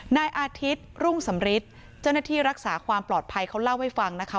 นายอาทิตย์รุ่งสำริทเจ้าหน้าที่รักษาความปลอดภัยเขาเล่าให้ฟังนะคะ